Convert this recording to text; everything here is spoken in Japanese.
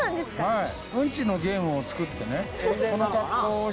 はい。